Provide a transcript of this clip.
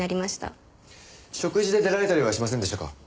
食事で出られたりはしませんでしたか？